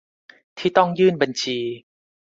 ที่ต้องยื่นบัญชี